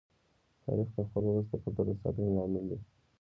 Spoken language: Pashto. تاریخ د خپل ولس د کلتور د ساتنې لامل دی.